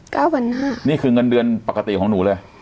พันห้านี่คือเงินเดือนปกติของหนูเลย